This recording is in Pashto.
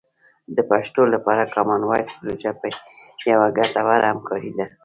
د پښتو لپاره کامن وایس پروژه یوه ګټوره همکاري ده.